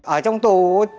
ở trong tù